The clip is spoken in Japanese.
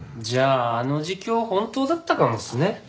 じゃああの自供は本当だったかもですね。